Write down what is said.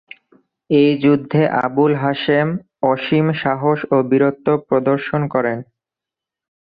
এই যুদ্ধে আবুল হাসেম অসীম সাহস ও বীরত্ব প্রদর্শন করেন।